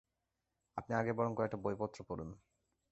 আপনি আগে বরং কয়েকটা বইপত্র পড়ুন।